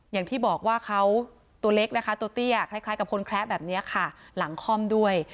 อย่างที่บอกว่าเขาตัวเล็กนะคะตัวเตี้ยคล้ายกับคนแคละแบบนี้ค่ะหลังคล่อมด้วย